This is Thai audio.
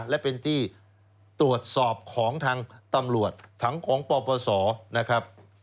และเป็นที่ตรวจสอบของทางตำรวจถังของปปศนะครับ